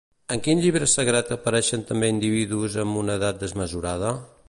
En quin llibre sagrat apareixen també individus amb una edat desmesurada?